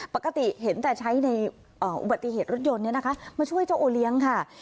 ปกติเห็นแต่ใช้ในอุบัติเหตุรถยนต์มาช่วยเจ้าโอเลี้ยงค่ะ